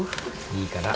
いいから。